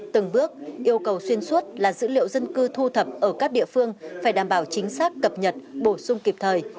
từng bước yêu cầu xuyên suốt là dữ liệu dân cư thu thập ở các địa phương phải đảm bảo chính xác cập nhật bổ sung kịp thời